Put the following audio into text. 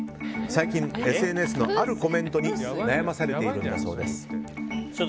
最近、ＳＮＳのあるコメントに悩まされているんだそうです。